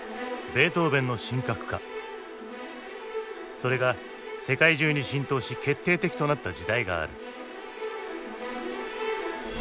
それが世界中に浸透し決定的となった時代がある。